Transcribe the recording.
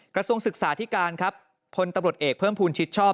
กระทรวงศึกษาที่การครับพลตำรวจเอกเพิ่มภูมิชิดชอบ